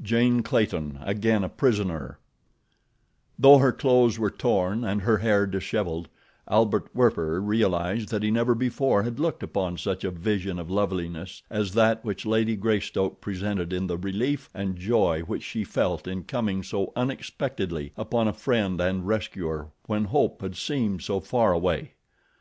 Jane Clayton Again a Prisoner Though her clothes were torn and her hair disheveled, Albert Werper realized that he never before had looked upon such a vision of loveliness as that which Lady Greystoke presented in the relief and joy which she felt in coming so unexpectedly upon a friend and rescuer when hope had seemed so far away.